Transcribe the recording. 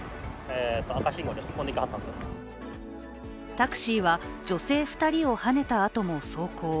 タクシーは女性２人をはねたあとも走行。